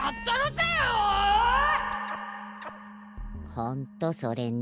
ほんとそれな。